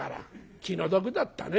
「気の毒だったね」。